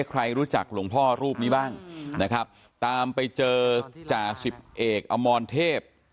ใครรู้จักหลวงพ่อรูปนี้บ้างนะครับตามไปเจอจ่าสิบเอกอมรเทพ